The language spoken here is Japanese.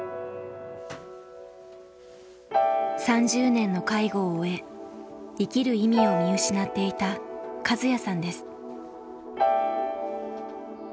３０年の介護を終え生きる意味を見失っていたカズヤさんです。